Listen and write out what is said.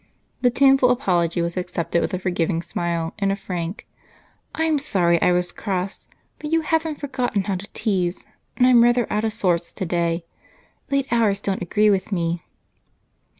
The tuneful apology was accepted with a forgiving smile and a frank "I'm sorry I was cross, but you haven't forgotten how to tease, and I'm rather out of sorts today. Late hours don't agree with me."